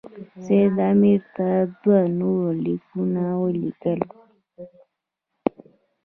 سید امیر ته دوه نور لیکونه ولیکل.